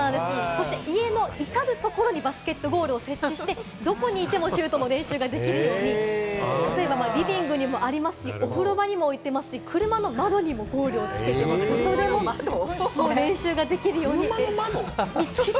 そして家の至るところにバスケットゴールを設置して、どこにいてもシュートの練習ができるように例えばリビングにもありますし、お風呂場にも置いてますし、車の窓にもゴールをつけてと、練習ができるように。